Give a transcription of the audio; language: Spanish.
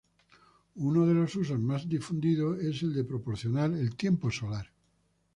Uno de los usos más difundidos es el de proporcionar el tiempo solar.